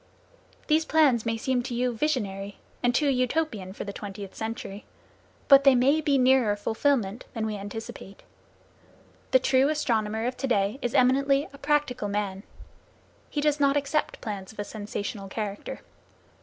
These plans may seem to you visionary, and too Utopian for the twentieth century. But they may be nearer fulfilment than we anticipate. The true astronomer of to day is eminently a practical man. He does not accept plans of a sensational character.